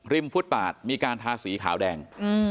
ฟุตปาดมีการทาสีขาวแดง